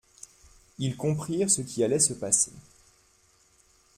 Ils comprirent ce qui allait se passer.